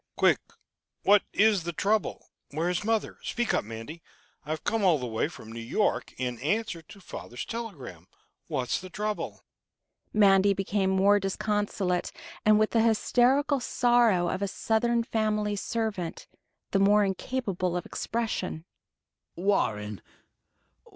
"Quick! What is the trouble? Where is mother? Speak up, Mandy.... I've come all the way from New York in answer to father's telegram. What's the trouble?" Mandy became more disconsolate, and, with the hysterical sorrow of a Southern family servant, the more incapable of expression. "Warren